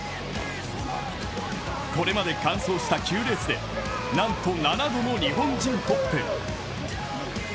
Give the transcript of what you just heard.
これまで完走した９レースでなんと７度の日本人トップ。